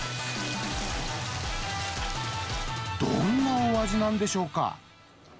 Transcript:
どんなお味なんでしょうか。